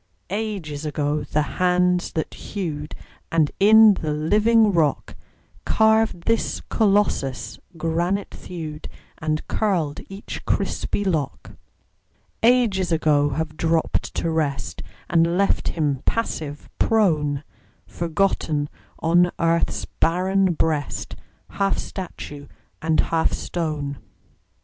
Ages ago the hands that hewed, And in the living rock Carved this Colossus, granite thewed And curled each crispy lock: Ages ago have dropped to rest And left him passive, prone, Forgotten on earth's barren breast, Half statue and half stone.